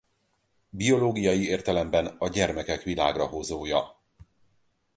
Biológiai értelemben a gyermekek világra hozója.